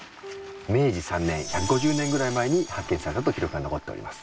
明治３年１５０年ぐらい前に発見されたと記録が残っております。